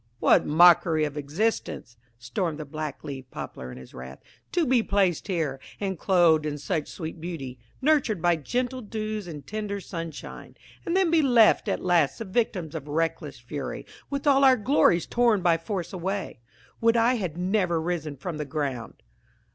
"What mockery of existence," stormed the black leaved Poplar in his wrath, "to be placed here, and clothed in such sweet beauty, nurtured by gentle dews and tender sunshine, and then be left at last the victims of reckless fury, with all our glories torn by force away! Would I had never risen from the ground!"